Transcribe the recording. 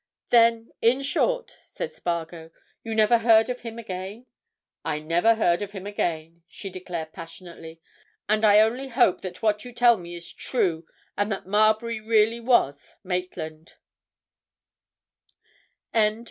"Then, in short," said Spargo, "you never heard of him again?" "I never heard of him again," she declared passionately, "and I only hope that what you tell me is true, and that Marbury really was Maitland!"